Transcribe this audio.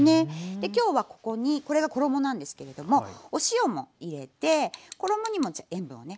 で今日はここにこれが衣なんですけれどもお塩も入れて衣にも塩分をね